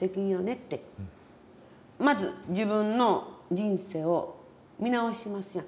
まず自分の人生を見直しますやん。